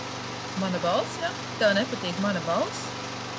Mana balss, ja? Tev nepatīk mana balss.